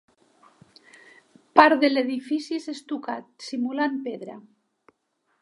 Part de l'edifici és estucat, simulant pedra.